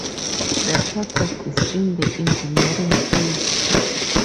The project is in the engineering phase.